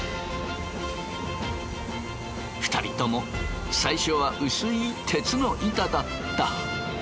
２人とも最初は薄い鉄の板だった。